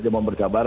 jadi mohon bersabar